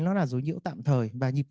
nó là rối nhiễu tạm thời